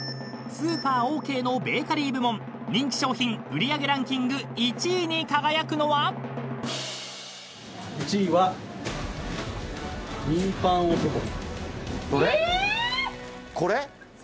［スーパーオーケーのベーカリー部門人気商品売り上げランキング１位に輝くのは？］え！？これ？